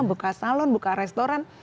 buka salon buka restoran